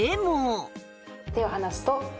手を離すと。